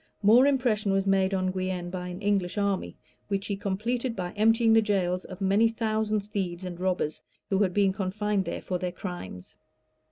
More impression was made on Guienne by an English army, which he completed by emptying the jails of many thousand thieves and robbers, who had been confined there for their crimes.